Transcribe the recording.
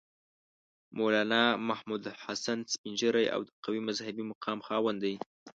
مولنا محمودالحسن سپین ږیری او د قوي مذهبي مقام خاوند دی.